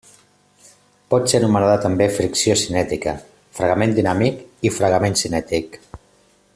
Pot ser anomenada també fricció cinètica, fregament dinàmic i fregament cinètic.